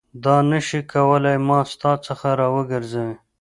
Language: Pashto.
دا نه شي کولای ما ستا څخه راوګرځوي.